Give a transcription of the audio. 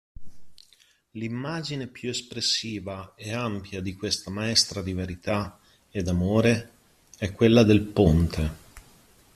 L'immagine più espressiva e ampia di questa maestra di verità e d'amore è quella del ponte.